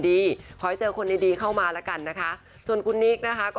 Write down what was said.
ที่โพสต์ภาพดอกกุหลาบ